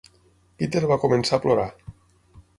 Peter va començar a plorar.